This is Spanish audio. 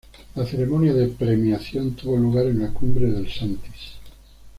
La ceremonia de premiación tuvo lugar en la cumbre del Santis.